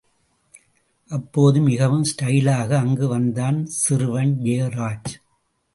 அப்போது மிகவும் ஸ்டைலாக அங்கு வந்தான் சிறுவன் ஜெயராஜ்.